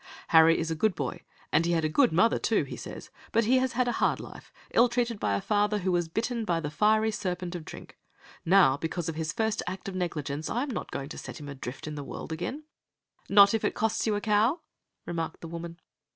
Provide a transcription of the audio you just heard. "Harry is a good boy, and he had a good mother, too, he says, but he has had a hard life, ill treated by a father who was bitten by the fiery serpent of drink. Now because of his first act of negligence I am not going to send him adrift in the world again." "Not if it costs you a cow!" remarked the woman.